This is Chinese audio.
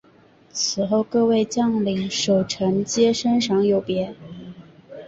此后各位将领守臣皆升赏有别。